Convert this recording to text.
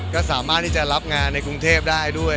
ก็สามารถที่จะรับงานในกรุงเทพได้ด้วย